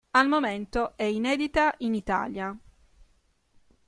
Al momento è inedita in Italia.